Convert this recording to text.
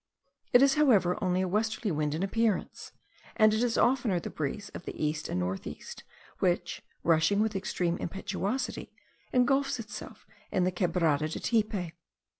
It is, however, only a westerly wind in appearance, and it is oftener the breeze of the east and north east, which, rushing with extreme impetuosity, engulfs itself in the Quebrada de Tipe.